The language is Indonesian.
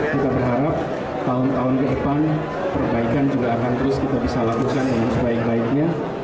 kita berharap tahun tahun ke depan perbaikan juga akan terus kita bisa lakukan dengan sebaik baiknya